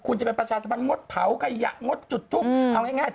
คุณรู้หรือว่าวันนั้นที่พี่พูดอันนี้ไป